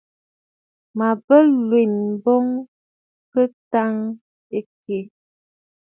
Màa bə nlwèn bǔ kɨ təŋ ɨkɛʼɛ?